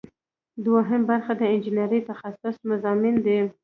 دوهم برخه د انجنیری تخصصي مضامین دي.